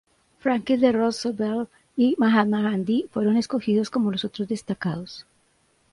Franklin D. Roosevelt y Mahatma Gandhi fueron escogidos como los otros destacados.